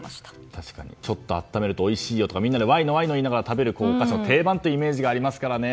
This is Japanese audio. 確かにちょっと温めるとおいしいよとか、みんなでわいのわいの言いながら食べるお菓子の定番という感じがありますからね。